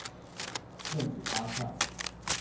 電子發票